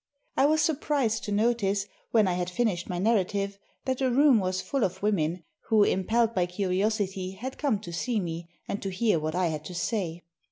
I was surprised to notice, when I had finished my narrative, that the room was full of women, who, impelled by curiosity, had come to see me, and to hear what I had to say.